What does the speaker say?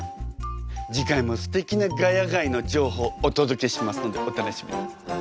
次回もすてきな「ヶ谷街」の情報お届けしますのでお楽しみに。